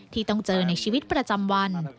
ที่ต้องเจอในชีวิตประจำวัน